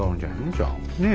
じゃあ。ねえ？